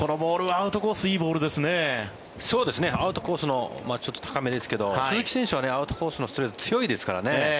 アウトコースのちょっと高めですけど鈴木誠也はアウトコースのストレート強いですからね。